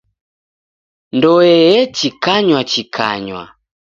Ndoe yachikanywachikanywa.